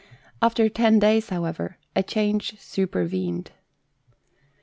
After ten days, however, a change super vened.